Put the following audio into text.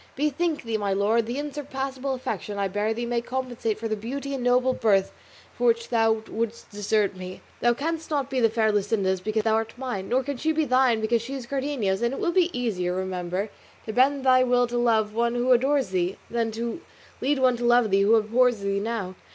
Bethink thee, my lord, the unsurpassable affection I bear thee may compensate for the beauty and noble birth for which thou wouldst desert me. Thou canst not be the fair Luscinda's because thou art mine, nor can she be thine because she is Cardenio's; and it will be easier, remember, to bend thy will to love one who adores thee, than to lead one to love thee who abhors thee now.